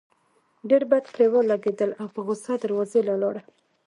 ډېر بد پرې ولګېدل او پۀ غصه دروازې له لاړه